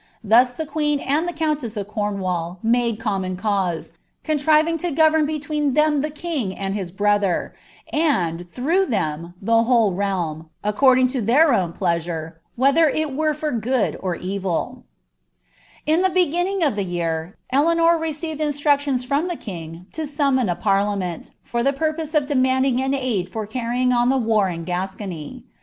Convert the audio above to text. Ilia ibc queen aud llie counles* of Coiuwail made common causr, cnniriTiag to govern beiweoii iheni the king and his brother, and, through ihoDi the whole realm, uccording to llieir own pleasure, whether it were 6k good ur evil In the beginning of the year, Flonor received instructions from Ac king to aummon a parlinmcnt, for the purpose of demanding an aid fiv carrying on tlie war in Gascony.